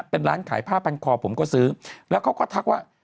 เป็นร้านขายผ้าพันคอผมก็ซื้อแล้วเขาก็ทักว่า